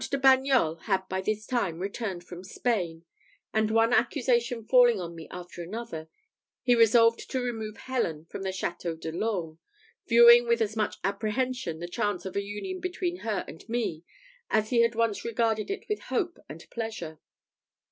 The Count de Bagnols had by this time returned from Spain; and one accusation falling on me after another, he resolved to remove Helen from the Château de l'Orme, viewing with as much apprehension the chance of a union between her and me, as he had once regarded it with hope and pleasure.